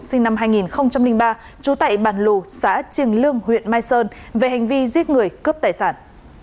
sinh năm hai nghìn ba trú tại bản lù xã triềng lương huyện mai sơn về hành vi giết người cướp tài sản